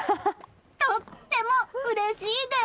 とってもうれしいです！